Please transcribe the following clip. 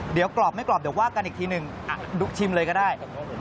เดี๋ยวกรอบไม่กรอบเดี๋ยวว่ากันอีกทีหนึ่งชิมเลยก็ได้